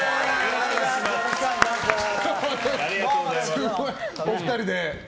すごいお二人で。